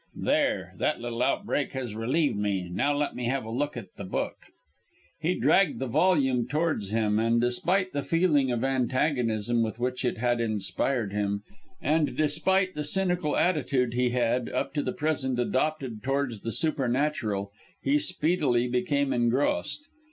"There! that little outbreak has relieved me. Now let me have a look at the book." He dragged the volume towards him, and despite the feeling of antagonism with which it had inspired him, and despite the cynical attitude he had, up to the present, adopted towards the supernatural, he speedily became engrossed.